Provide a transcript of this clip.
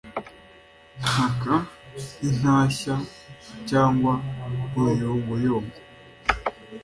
ntaka nk'intashya cyangwa uruyongoyongo